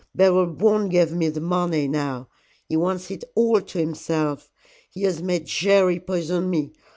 Beryl won't give me the money now. He wants it all to himself. He has made Jerry poison me.